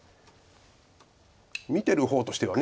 見てる方としては。